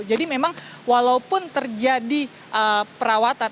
jadi memang walaupun terjadi perawatan